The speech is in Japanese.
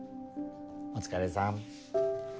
お疲れさん。